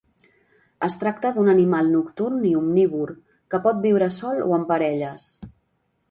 Es tracta d'un animal nocturn i omnívor, que pot viure sol o en parelles.